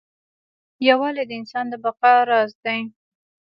یووالی د انسان د بقا راز دی.